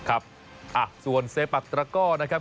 ครับส่วนเซปัตตระก้อนะครับ